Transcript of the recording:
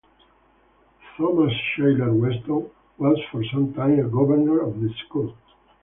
Thomas Shailer Weston was for some time a governor of the school.